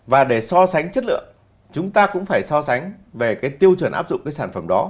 và để so sánh chất lượng chúng ta cũng phải so sánh về cái tiêu chuẩn áp dụng cái sản phẩm đó